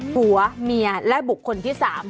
ผัวเมียและบุคคลที่๓